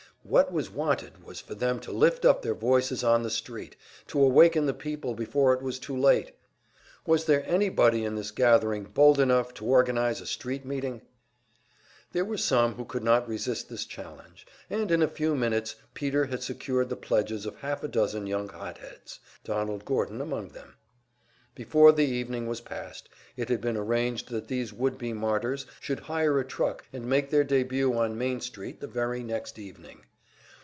What was wanted was for them to lift up their voices on the street, to awaken the people before it was too late! Was there anybody in this gathering bold enough to organize a street meeting? There were some who could not resist this challenge, and in a few minutes Peter had secured the pledges of half a dozen young hot heads, Donald Gordon among them. Before the evening was past it had been arranged that these would be martyrs should hire a truck, and make their debut on Main Street the very next evening.